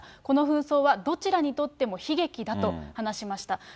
この紛争はどちらにとっても悲劇だと話しました。